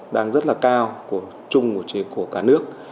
đang rất là cao của chung của cả nước